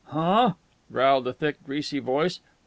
"Huh?" growled a thick, greasy voice.